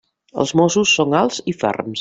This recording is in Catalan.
Els mossos són alts i ferms.